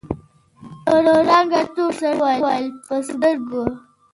له رنګه تور سړي وويل: په سترګو!